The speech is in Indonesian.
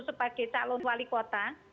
sebagai calon wali kota